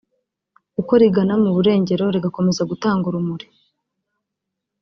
uko rigana mu burengero rigakomeza gutanga urumuri